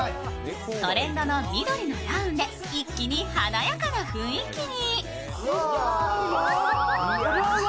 トレンドの緑のダウンで一気に華やかな雰囲気に。